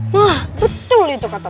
wah betul itu kata